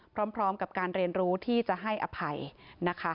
พร้อมกับการเรียนรู้ที่จะให้อภัยนะคะ